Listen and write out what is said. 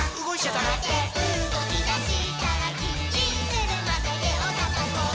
「とまってうごきだしたらヂンヂンするまでてをたたこう」